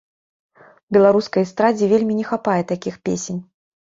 Беларускай эстрадзе вельмі не хапае такіх песень.